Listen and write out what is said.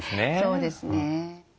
そうですね